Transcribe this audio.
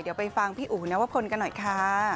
เดี๋ยวไปฟังพี่อู๋นวพลกันหน่อยค่ะ